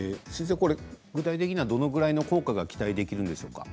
具体的にはどのくらいの効果が期待できるんですか？